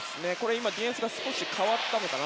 今、ディフェンスが少し変わったかな。